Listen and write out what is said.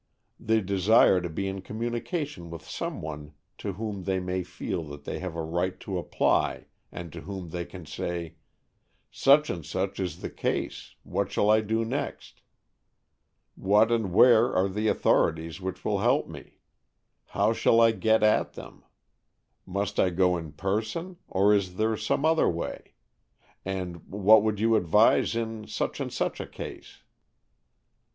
They desire to be in communication with some one to whom they may feel that they have a right to apply, and to whom they can say, "Such and such is the case: what shall I do next? what and where are the authorities which will help me? how shall I get at them? must I go in person, or is there some other way? and what would you advise in such and such a case?"